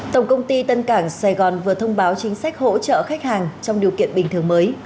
tổng công ty tân cảng sài gòn vừa thông báo chính sách hỗ trợ khách hàng trong điều kiện bình thường mới